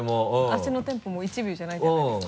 足のテンポも１秒じゃないじゃないですか。